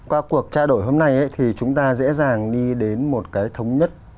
qua cuộc trao đổi hôm nay thì chúng ta dễ dàng đi đến một cái thống nhất